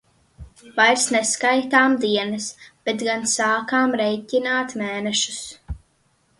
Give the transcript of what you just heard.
Vairs neskaitām dienas, bet gan sākām rēķināt mēnešus.